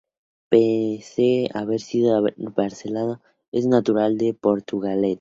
Pese a haber nacido en Baracaldo, es natural de Portugalete.